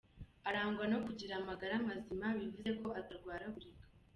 Arangwa no kugira amagara mazima bivuze ko atarwaragurika .